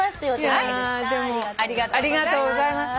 ありがとうございます。